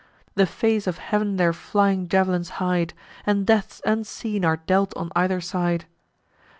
The face of heav'n their flying jav'lins hide, And deaths unseen are dealt on either side.